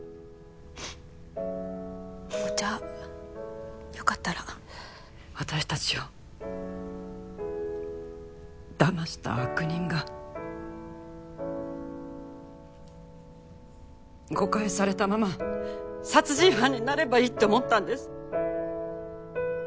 お茶よかったら私達をだました悪人が誤解されたまま殺人犯になればいいって思ったんです